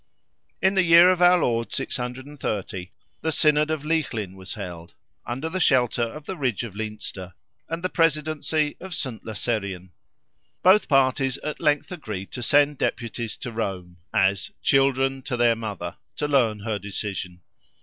In the year of our Lord 630, the Synod of Leighlin was held, under the shelter of the ridge of Leinster, and the presidency of St. Laserian. Both parties at length agreed to send deputies to Rome, as "children to their mother," to learn her decision.